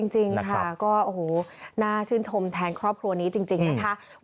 จริงค่ะก็โอ้โหน่าชื่นชมแทนครอบครัวนี้จริงนะคะ